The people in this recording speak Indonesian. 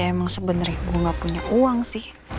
ya emang sebenernya gue gak punya uang sih